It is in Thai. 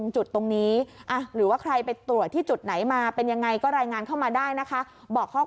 จุดตรงนี้หรือว่าใครไปตรวจที่จุดไหนมาเป็นยังไงก็รายงานเข้ามาได้นะคะบอกข้อ